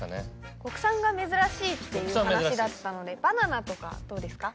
国産が珍しいっていう話だったので。とかどうですか？